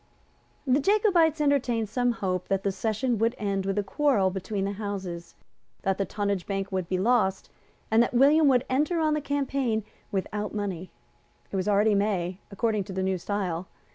The Jacobites entertained some hope that the session would end with a quarrel between the Houses, that the Tonnage Bill would be lost, and that William would enter on the campaign without money. It was already May, according to the New Style.